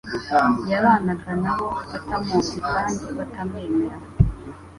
Yabanaga na bo batamuzi kandi batamwemera.